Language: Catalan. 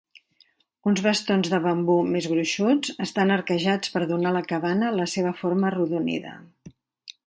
Uns bastons de bambú més gruixuts estan arquejats per donar a la cabana la seva forma arrodonida.